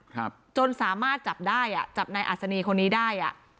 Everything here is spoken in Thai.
ครับจนสามารถจับได้อ่ะจับนายอัศนีคนนี้ได้อ่ะ